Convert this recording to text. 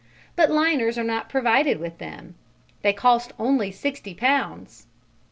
But liners are not provided with them (they cost only 60 Pounds!).